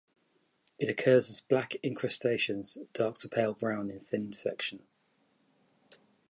It occurs as black incrustations, dark to pale-brown in thin section.